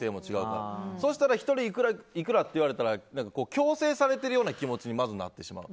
そうしたら１人いくらって言われたら強制されてるような気持ちにまずなってしまう。